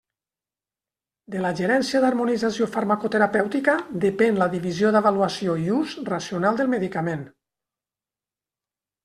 De la Gerència d'Harmonització Farmacoterapèutica depèn la Divisió d'Avaluació i Ús Racional del Medicament.